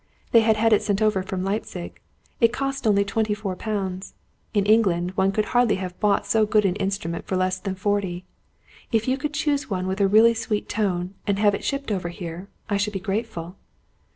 They had had it sent over from Leipzig. It cost only twenty four pounds. In England, one could hardly have bought so good an instrument for less than forty. If you could choose one with a really sweet tone, and have it shipped over here, I should be grateful."